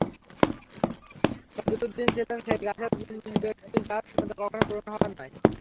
ছদরুদ্দিন ছিলেন সেই গোছের ব্যক্তি, যাঁর শূন্যতা কখনোই পূরণ হওয়ার নয়।